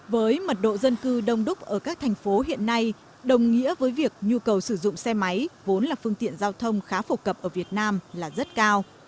với mật độ dân cư đông đúc ở các thành phố hiện nay đồng nghĩa với việc nhu cầu sử dụng xe máy vốn là phương tiện giao thông khá phổ cập ở việt nam là rất cao